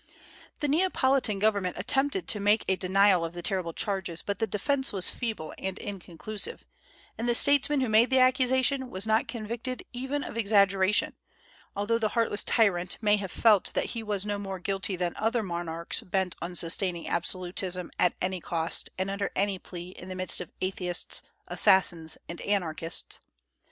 The Neapolitan government attempted to make a denial of the terrible charges; but the defence was feeble and inconclusive, and the statesman who made the accusation was not convicted even of exaggeration, although the heartless tyrant may have felt that he was no more guilty than other monarchs bent on sustaining absolutism at any cost and under any plea in the midst of atheists, assassins, and anarchists.